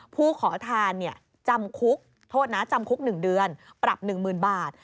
ผู้ขอทานจำคุกโทษนะจำคุก๑เดือนปรับ๑๐๐๐บาท